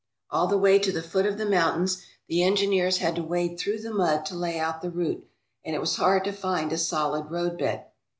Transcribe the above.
All the way to the foot of the mountains the engineers had to wade through the mud to lay out the route, and it was hard to find a solid roadbed.